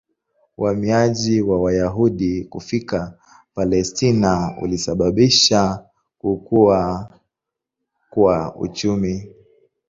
Uhamiaji wa Wayahudi kufika Palestina ulisababisha kukua kwa uchumi.